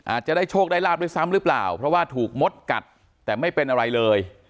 อาจจะได้โชคได้ลาบด้วยซ้ำหรือเปล่าเพราะว่าถูกมดกัดแต่ไม่เป็นอะไรเลย